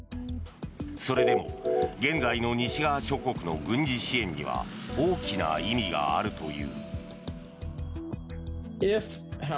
それでも現在の西側諸国の軍事支援には大きな意味があるという。